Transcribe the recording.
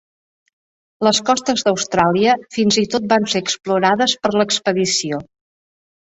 Les costes d'Austràlia fins i tot van ser explorades per l'expedició.